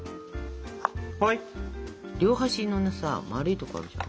両端のさ丸いとこあるじゃん